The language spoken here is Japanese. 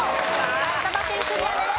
埼玉県クリアです。